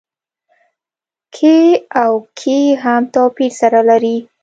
کې او کي هم توپير سره لري.